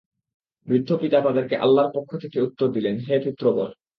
বৃদ্ধ পিতা তাদেরকে আল্লাহর পক্ষ থেকে উত্তর দিলেন, হে পুত্রগণ!